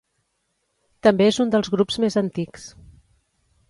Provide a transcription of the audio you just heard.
També és un dels grups més antics.